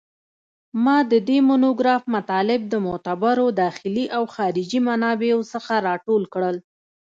ما د دې مونوګراف مطالب د معتبرو داخلي او خارجي منابعو څخه راټول کړل